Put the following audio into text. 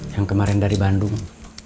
yang kemarin dari bandung